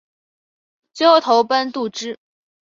最后投奔杜弢。